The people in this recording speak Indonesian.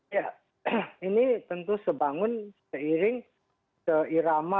ya ini tentu sebangun seiring seirama